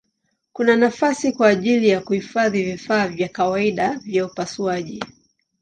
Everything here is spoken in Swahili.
Kuna nafasi kwa ajili ya kuhifadhi vifaa vya kawaida vya upasuaji.